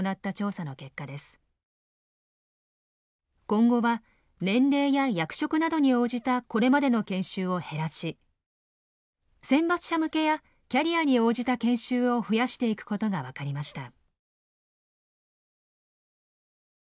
今後は年齢や役職などに応じたこれまでの研修を減らし選抜者向けやキャリアに応じた研修を増やしていくことが分かりました。